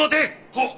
はっ。